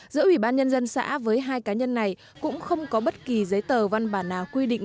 giữa ủy ban nhân dân xã với hai cá nhân này cũng không có bất kỳ giấy tờ văn bản nào quy định